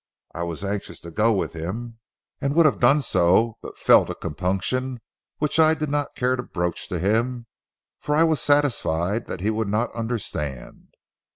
I was anxious to go with him, and would have done so, but felt a compunction which I did not care to broach to him, for I was satisfied he would not understand.